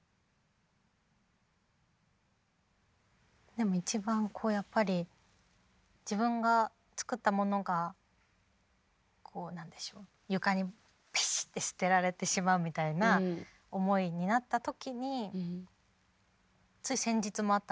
でも一番こうやっぱり自分が作ったものがこう何でしょう床にペシッて捨てられてしまうみたいな思いになった時につい先日もあったんですけど。